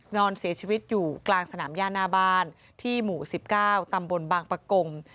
นอนเสียชีวิตอยู่กลางสนามย่าหน้าบ้านที่หมู่๑๙ตำบลบางปะกง